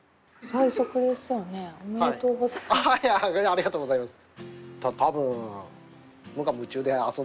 ありがとうございます。